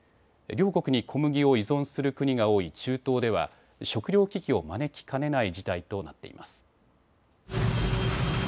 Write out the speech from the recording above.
両国に小麦を依存する国が多い中東では食糧危機を招きかねない事態となっています。